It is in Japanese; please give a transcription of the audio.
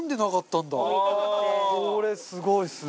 これすごいですね。